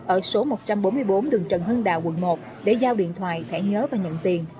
ở số một trăm bốn mươi bốn đường trần hưng đạo quận một để giao điện thoại nhớ và nhận tiền